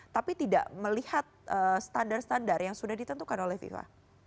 tapi tidak melihat standar standar yang sudah ditentukan oleh fifa